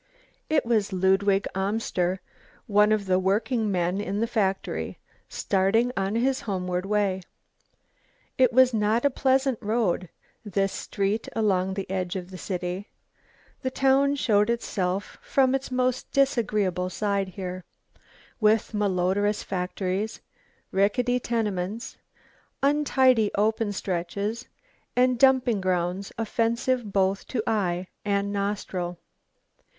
It was Ludwig Amster, one of the working men in the factory, starting on his homeward way. It was not a pleasant road, this street along the edge of the city. The town showed itself from its most disagreeable side here, with malodorous factories, rickety tenements, untidy open stretches and dumping grounds offensive both to eye and nostril.